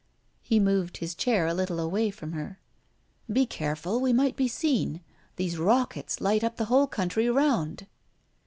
He moved his chair a little away from her. "Be careful! We might be seen. These rockets light up the whole country around."